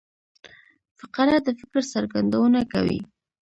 فقره د فکر څرګندونه کوي.